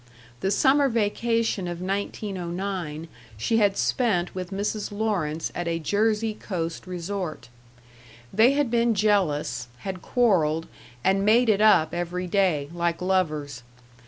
The summer vacation of 1909 she had spent with Mrs. Lawrence at a Jersey coast resort. They had been jealous, had quarreled, and made it up every day, like lovers.